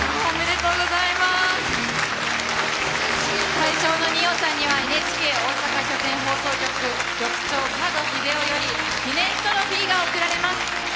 大賞の二葉さんにはＮＨＫ大阪拠点放送局局長角英夫より記念トロフィーが贈られます。